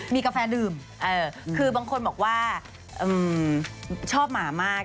มีกาแฟดื่มคือบางคนบอกว่าชอบหมามาก